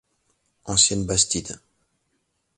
Ancienne Bastide.